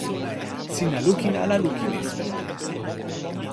sina lukin ala lukin e suno?